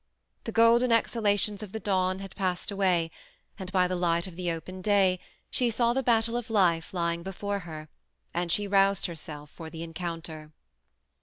" The golden exhalations of the dawn" had passed away, and by the light of open day she saw the battle of life lying before her, and she roused herself for the encounter.